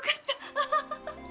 アハハハ。